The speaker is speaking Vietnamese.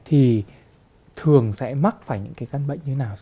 thì thường sẽ mắc phải những cái căn bệnh như nào